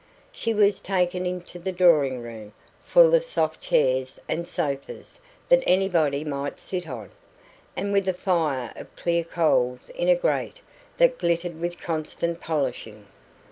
She was taken into the drawing room full of soft chairs and sofas that anybody might sit on, and with a fire of clear coals in a grate that glittered with constant polishing.